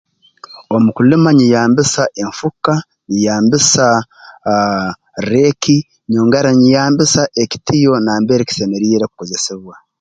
Omu kulima nyiyambisa enfuka nyiyambisa rreeki nyongera nyiyambisa ekitiyo nambere kisemeriire kukozesebwa